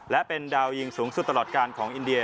และเป็นดาวยิงสูงสุดตลอดการของอินเดีย